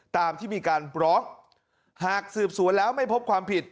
ตามที่มีการร้องหากสืบสวนแล้วไม่พบความผิด